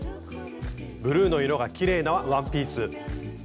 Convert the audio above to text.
ブルーの色がきれいなワンピース。